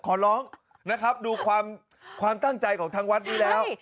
ขอร้องนะครับดูความตั้งใจของทางวัดนี้แล้ว